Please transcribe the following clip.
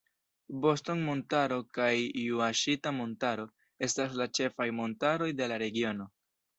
Boston-Montaro kaj Ŭaŝita-Montaro estas la ĉefaj montaroj de la regiono.